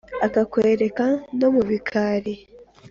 akakwereka no mu bikari